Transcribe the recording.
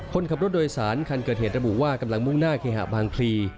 คนขับรถโดยสารคันเกิดเหตุระบุว่ากำลังมุ่งหน้าเคหะบางพลี